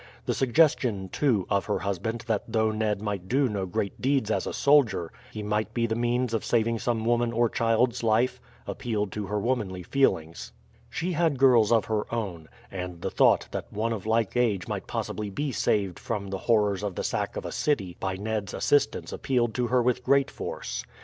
The suggestion, too, of her husband that though Ned might do no great deeds as a soldier he might be the means of saving some woman or child's life, appealed to her womanly feelings. She had girls of her own, and the thought that one of like age might possibly be saved from the horrors of the sack of a city by Ned's assistance appealed to her with great force.